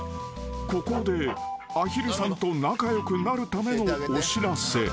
［ここでアヒルさんと仲良くなるためのお知らせ］